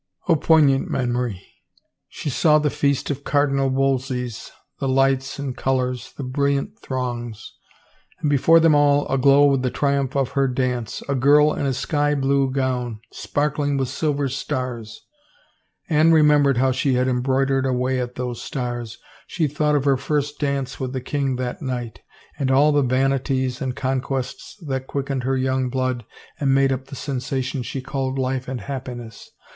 — Oh, poignant memory ! She saw the feast of Cardinal Wolsey's, the lights and colors, the brilliant throngs,— and before them all, aglow with the triumph of her dance, a girl in a sky blue gown, sparkling with silver stars. Anne remembered how she had embroidered away at those stars. She thought of her first dance with the king that night, and all the vanities and conquests that quick ened her young blood and made up the sensation she called life and happiness.